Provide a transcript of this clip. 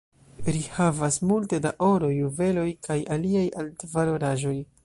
Ri havas multe da oro, juveloj kaj aliaj altvaloraĵoj.